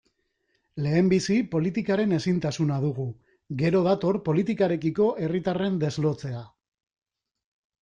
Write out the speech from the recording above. Lehenbizi politikaren ezintasuna dugu, gero dator politikarekiko herritarren deslotzea.